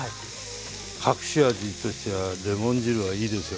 隠し味としてはレモン汁はいいですよ。